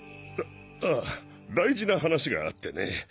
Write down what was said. あぁ大事な話があってね。